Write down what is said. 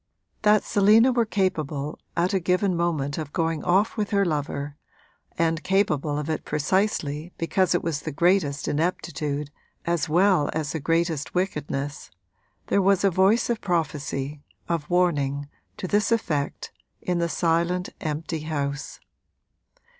That Selina was capable at a given moment of going off with her lover, and capable of it precisely because it was the greatest ineptitude as well as the greatest wickedness there was a voice of prophecy, of warning, to this effect in the silent, empty house.